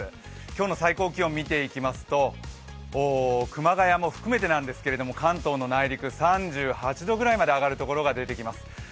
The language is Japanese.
今日の最高気温を見ていきますと熊谷も含めて何ですけれども関東の内陸３８度くらいまで上がる所が出てきます。